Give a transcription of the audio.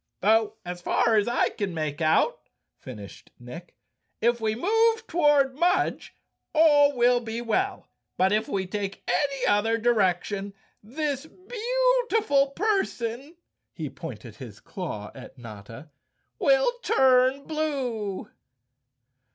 " Though as far as I can make out," finished Nick, " if we move toward Mudge all will be well, but if we take any other direction this beautiful person," he pointed his claw at Notta, "will turn blue."